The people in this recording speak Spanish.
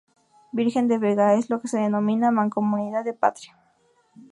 Virgen de Vega.Es lo que se denomina Mancomunidad de Patria.